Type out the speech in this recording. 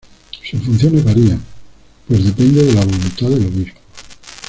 Sus funciones varían, pues depende de la voluntad del obispo.